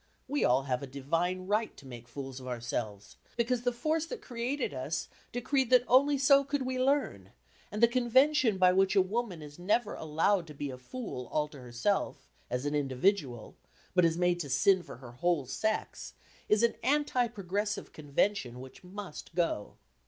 We all have a divine right to make fools of ourselves, because the force that created us decreed that only so could we learn, and the convention by which a woman is never allowed to be a fool all to herself, as an individual, but is made to sin for her whole sex, is an anti progressive convention which must go.